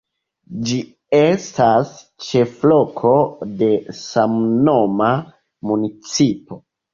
Ĝi estas ĉefloko de samnoma municipo.